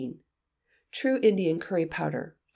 True Indian Curry Powder (5).